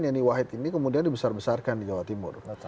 yeni wahid ini kemudian dibesar besarkan di jawa timur